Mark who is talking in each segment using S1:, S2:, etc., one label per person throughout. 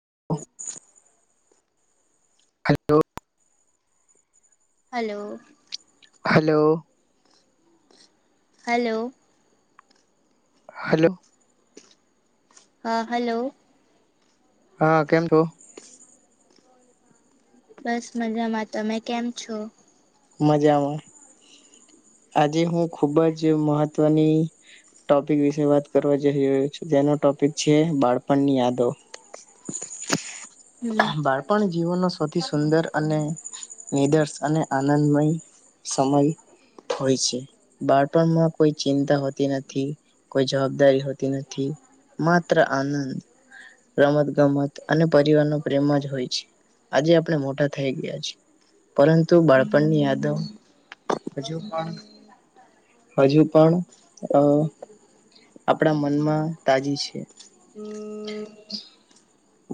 S1: હ
S2: hello
S1: hello
S2: hello
S1: hello
S2: હા hello
S1: હા કેમ છો
S2: બસ મજામાં તમે કેમ છો
S1: મજામાં આજે હું ખુબ જ મહત્વની ટોપિક વિશે વાત કરવા જ રહ્યો છ તેનો ટોપિક છે બાળપણની યાદો
S2: હમ
S1: બાળપણ જીવનનો સૌથી સુંદર અને નિદર્શ અને આનંદમય સમય હોય છે બાળપણમાં કોઈ ચિંતા હોતી નથી કોઈ જવાબદારી હોતી નથી માત્ર આનંદ રમત ગમત અને પરિવારનો આજે આપણે મોટા થઈ ગયા છે પરંતુ બાળપણની યાદો હજુ પણ હજુ પણ અ આપણા મનમાં તાજી છે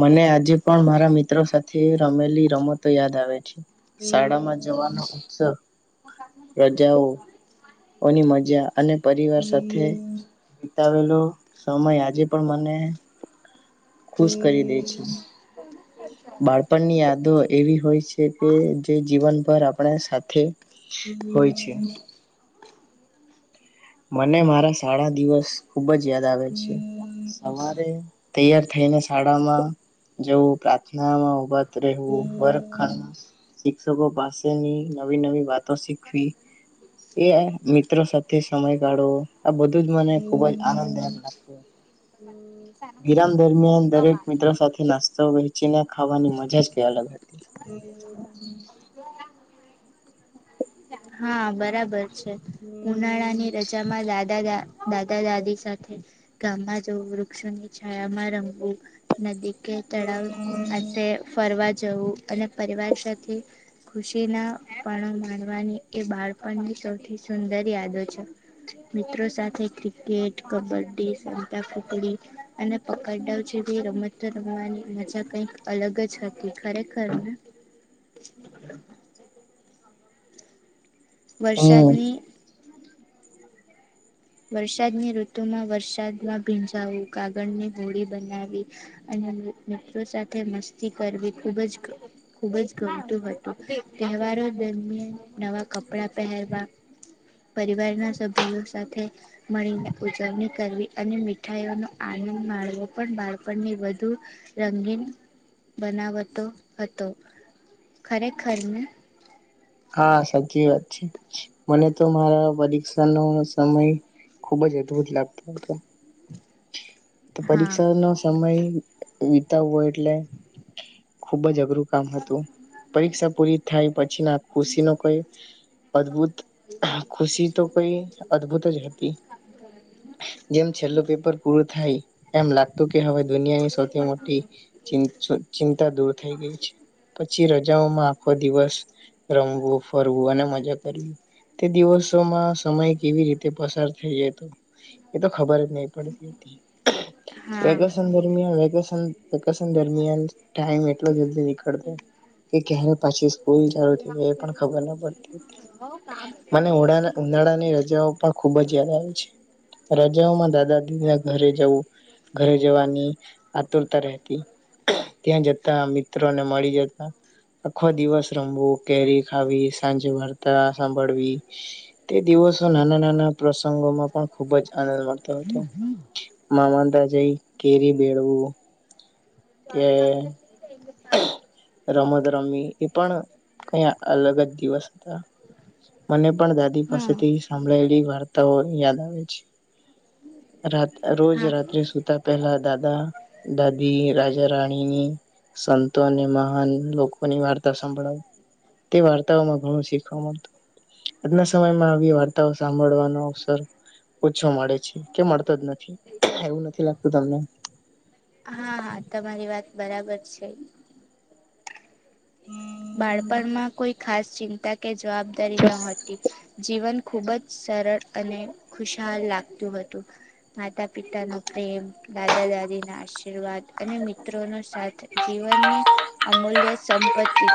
S1: મને આજે પણ મારા મિત્રો સાથે રમેલી રમતો યાદ આવે છે શાળામાં જવાનો ઉત્સવ રજાઓ ઓની મજા અને પરિવાર સાથે વિતાવેલો સમય આજે પણ મને ખુશ કરી દે છે બાળપણની યાદો એવી હોય છે કે જે જીવનભર આપણે સાથે હોય છે મને મારા શાળા દિવસ ખુબ જ યાદ આવે છે સરે તૈયાર થઈને શાળામાં જવું પ્રાર્થનામાં ઉભા રહેવું વર્ શિક્ષકો પાસેની નવી નવી વાતો શીખવી એ મિત્રો સાથે સમય કાઢો આ બધું જ મને ખુબ જ આનંદ લાગત ગ દરમિયાન દરેક મિત્રો સાથે નાસ્તા તો વહેચીના ખાવાની મજા જ ક અલગ હતી
S2: હા બરાબર ઉનાળાની રજામાં દાદા દા દાદા દાદી સાથે ગામમાં જવું વૃક્ષોની છાયામાં રંગવું નદી કે તળાવ પાસે ફરવા જ જવું અને પરિવાર સાથે ખુશીના પણણો માનવાની એ બાળપણની સૌથી સુંદર યાદો છે મિત્રો સાથે ક્રિકેટ કબડ્ડી સાતાપુખડી અને પકડડાઓ જેવી રમત રમવાની મજા કઈક અલગ જ હતી ખરેખરને
S1: હમ
S2: વરસાદની વરસાદની ઋતુમાં વરસાદમાં ભીંજાવું કાગળની હોળી બનાવી અને મિત્રો સાથે મસ્તી કરવી ખૂબ જ ખૂબ જ ગમતું હતું તહેવારો દરમિયાન નવા કપડા પહેરવા પરિવારના સભ્યો સાથે મળીને ઉજવણી કરવી અને મીઠાઈઓ નો આનંદ માણવો પણ બાળપણને વધુ રંગીન બનાવતો હતો ખરેખરને
S1: હા સાચી વાત છે મને તો મારા પરીક્ષા નો સમય ખુબ જ અદભુત લાગતો હતો તો
S2: હા
S1: પરીક્ષા નો સમય વિતાવવ હોય એટલે ખુબ જ અઘરુંપ હતું પરીક્ષા પૂરી થાય પછી ના ખુશી ન કઈ અદભુત ખુશી તો કઈ અદભુત જ હતી જેમ છેલ્લું પેપર થાય એમ લાગતું હવે દુનિયાની સૌથી મોટી ચિંતા દૂર થઈ ગઈ છે પછી મજામાં આખો દિવસ રમવું ફરવું અને મજા કરવી તે દિવસોમાં સમય કેવી રીતે પસાર થઈ જતો. એ તો ખબર જ નહી પડે. [inaudible]
S2: હા
S1: વેકેશન દરમિયાન વેકેશન વેકેશન દરમિયાન ટાઈમ એટલો જલ્દી ખતો કે કહે પચીસ ચાલુ થાય એ પણ ખબર ના પડતી મને ઉ ઉનાળાની રજાઓ પણ ખુબ જ યાદ આવે છે રજાઓમાં દાદા દીદીના જવું ઘરે જવાની આતુરતા રહેતી ત્યાં જતા મિત્રોને મળી જતા આખો દિવસ રમવો કેરી ખાવી સાંજે વાર્તા સાંભળવી તે દિવસો નાના નાના પ્રસંગોમાં પણ ખુબ જ આનંદ મળતો હો તો મામા તા જેઈ કેરી બ બેડવું.
S2: ચાલ ચાલ [inaudible]
S1: રમત રમી એ પણ કઇક અલગ જ દિવસ હતા મને પણ દાદી
S2: હા હા
S1: પાસેથી સાંભળાયેલી વાત તા યાદ આવે છે. રા રોજ
S2: હા
S1: રાત્રે સુતા પેલા દાદા દાદી રાજા રાણીની સંતો અને મહાન લોકોની વાર્તા સાભળાવ તે વાર્તાઓમાં ઘણું શીખવા મળતું આજના સમયમાં આવી વાર્તાઓ સાંભળવાનો અવસર પૂછવા મળે છે કે મળતો જ નથી એવું નથી લાગતું તમને
S2: હા હા તમારી વાત બરાબર છે. બાળપણમાં કોઈ ખાસ ચિંતા કે જવાબદારી ન હતી જીવન ખૂબ જ સરળ અને ખુશહાલ લાગતું હતું માતા પિતાનો પ્રેમ દાદા દાદીના આશીર્વાદ અને મિત્રોનો સાથે જીવનની અમૂલ્ય સંપત્તિ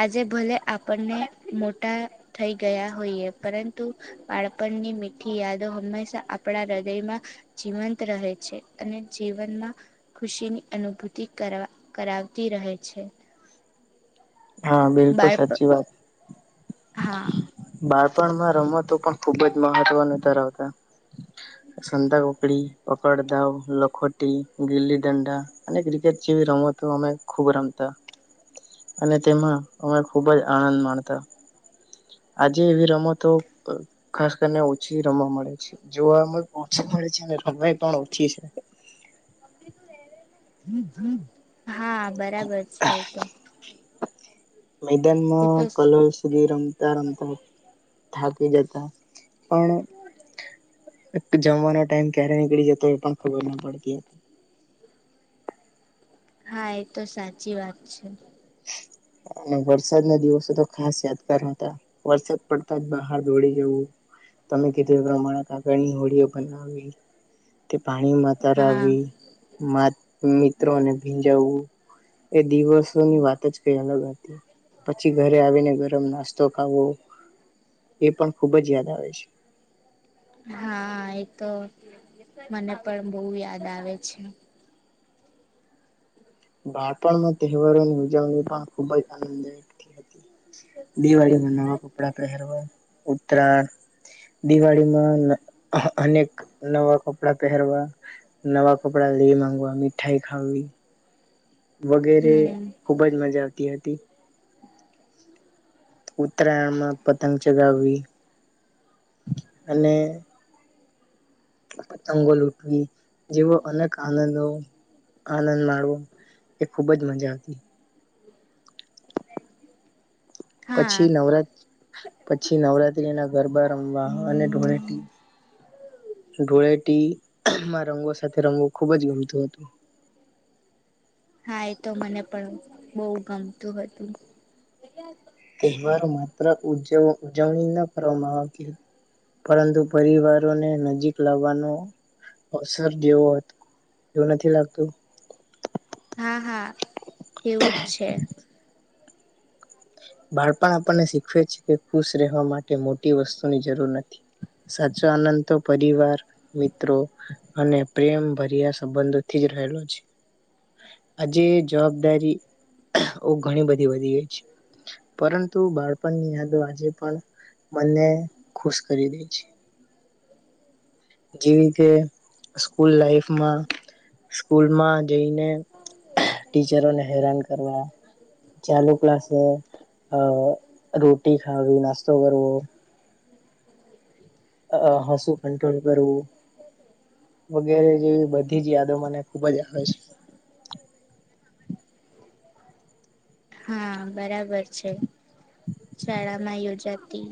S2: આજે ભલે આપણને મોટા થઈ ગયા હોઈએ પરંતુ બાળપણની મીઠી યાદો હંમેશા આપણા હૃદયમાં જીવંત રહે છે અને જીવનમાં ખુશીની અનુભૂતિ કરવા કરાવતી રહે છે.
S1: હા બિલકુલ
S2: બાળપ
S1: સાચી વાત.
S2: હા.
S1: પણમાં રમતો પણ ખુબ જ મહત્વ ન ધરાવતા સંતા કોકડી પકડ ધાવ લખોટી ગીલી દંડા અને ક્રિકેટ જેવી રમતો અમે ખૂબ રમતા અને તેમાં અમે ખુબ જ આનંદ માણતા આજે એવી રમતો ખાસ કરીને ઓછી રમવા મળે છે જોવા પણ ઓછી મળે છે રમાય પણ ઓછી છે.
S2: હમ હમ. હા બરાબર છે તો એ તો
S1: મેદાનમાં કલલ સુધી રમતા રમતા જ પણ જમવાનો ટાઈમ ક્યારે નીકળી જતો એ પણ ખબર ના પડતી હતી.
S2: હા એ તો સાચી વાત છે.
S1: અને વરસાદ ના દિવસો તો ખાસ યાદગાર હતા વરસાદ પડતા જ બહાર દોડી જવું તમે કીધું પ્રમારા કાગળની હોડીઓ બનાવી પાણી મા
S2: હા
S1: તરાવી, મા મિત્રોને ભીંજાવવું એ દિવસ ની વાત જ કઈ અલગ હતી પછી ઘરે આવીને ગરમ નાસ્તો ખાવો એ પણ ખુબ જ યાદ આવે છે.
S2: હા એ તો મને પણ બહુ યાદ આવે છે.
S1: બાળપણમાં તહેવારોની ઉજવણી પણ ખુબ જ આનંદદાયકથી હતી. દિવાળીમાં નવા કપડા પહેરવા ટ્રા દિવાળીમાં [unintelligible] અનેક નવા કપડા પહેરવા નવા કપડા લે માંગવા મીઠાઈ ખાવવી વગેરે
S2: હમ
S1: ખુબ જ મજા આવતી હતી. [unintelligible] ઉત્તરાયણમાં પતંગ ચગાવવી અને તંગો લૂટવી જેવો અનેક આનંદો આનંદ માણવો એ ખૂબ જ મજા હતી. પછી
S2: હા
S1: નવરાત પછી નવરાત્રીના ગરબા રમવા અને ધોળેટી ધોળેટી રંગો સાથે રમવું ખુબ જ ગમતું હતું.
S2: હા એ તો મને પણ બવ ગમતું હતું.
S1: [unintelligible] ઉજવણી ના કરવામાં આવતી હતી પરંતુ પરિવારોને નજીક લાવવાનો અવસર જેવો હતો એવું નથી લાગતું?
S2: હા હા એવું જ છે.
S1: બાળપણ આપણને શીખવે છે કે ખુશ રહેવા માટે મોટી વસ્તુની જરૂર નથી સાચો આનંદ તો પરિવાર મિત્રો અને પ્રેમ ભર્યા સંબંધોથી જ રહેલો છે. આજે જવાબદારી ઓ ઘણી બધી વધી ગઈ છે. પરંતુ બાળપણની યાદો આજે પણ મને ખુશ કરી દે છે. જેવી કે સ્કૂલ લાઈફમાં સ્કૂલમાં જઈને ટીચરોને હેરાન કરવા, ચાલુ ક્લાસ અ રોટી ખાવી નાસ્તો કરવો અ હસું કંટ્રોલ કરવું વગેરે જેવી બધી જ યાદો મને ખુબ જ
S2: હા બરાબર છે. શાળા માં યોજા તી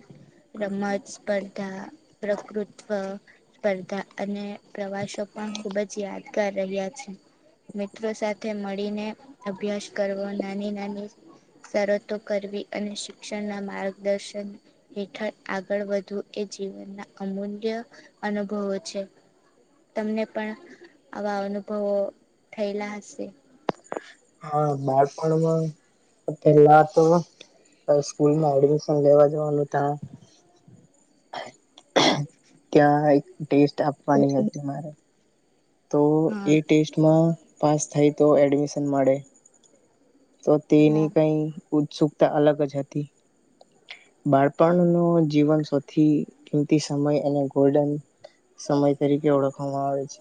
S2: રમત સ્પર્ધા, પ્રકૃત્વ સ્પર્ધા અને પ્રવાસો પણ ખુબ જ યાદ રહ્યા છે. મિત્રો સાથે મળીને અભ્યાસ કરવો નાની-નાની શરતો કરવી અને શિક્ષણના માર્ગદર્શન હેઠળ આગળ વધવું એ જીવનના અમૂલ્ય અનુભવો છે. તમને પણ આવા અનુભવો થયેલા હશે.
S1: હા બાળપણમાં પેલા તો સ્કૂલમાં એડમિશન લેવા જવાનું ત્યાં ક્યાં એક ટેસ્ટ આપવાની હતી મારે તો
S2: હા
S1: એ ટેસ્ટમાં પાસ થાય તો એડમિશન મળે. તો તેની
S2: હા
S1: કઈ ઉત્સુકતા અલગ જ હતી. બાળપણ ન જીવન સૌથી કિંમતી સમય અને ગોડન સમય તરીકે ઓળખવામાં આવે છે.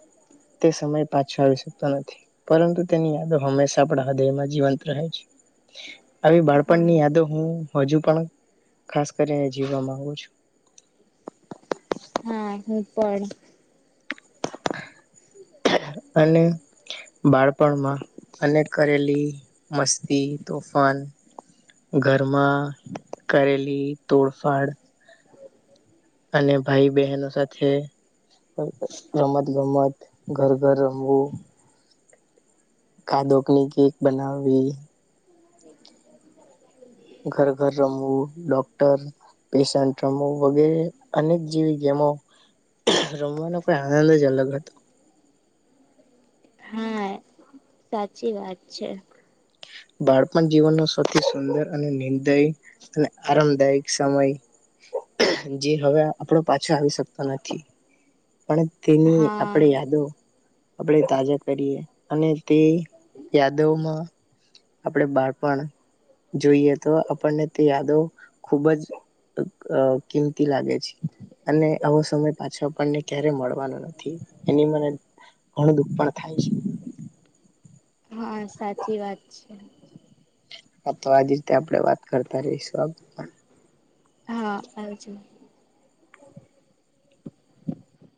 S1: તે સમય પાછો આવી શકતો નથી પરંતુ તેની યાદો હંમેશા આપણા હૃદયમાં જીવંત રહે છે. આવી બાળપણ
S2: હા
S1: ની યાદો હું હજુ પણ ખાસ કરીને જીવ માંગુ છું.
S2: હા હું પણ.
S1: અને બાળપણમાં અને કરેલી મસ્તી, તોફાન, ઘરમાં કરેલી તોડફાડ અને ભાઈ બહેનો સાથે રમત-ગમત, ઘર-ઘર રમવું કાદોકની કેક બનાવી ઘર ઘર રમવું ડોક્ટર પેશન્ટ રમવું વગેરે અનેક જેવી ગેમો રમવાનો કોઈ આનંદ જ અલગ હતો
S2: હા સાચી વાત છે
S1: બાળપણ જીવનનો સૌથી સુંદર અને નિર્દય અને આરામદાયક સમય જે હવે આપણો પાછો આવી શકતો નથી પણ તેની આપણે
S2: હા
S1: યાદો આપણે તાજા કરીએ અને તે યાદોમાં આપણે બાળપણ જોઈએ તો આપણને તે યાદો ખુબ જ કિંમતી લાગે છે અને આવો સમય પાછો આપણને ક્યારેય મળવાનો નથી એની મને ઘણું દુખ પણ થાય છે
S2: હા સાચી વાત છે
S1: હા તો આજ રીતે આપડે વાત કરતા રહીશું આ પણ
S2: હા આવજો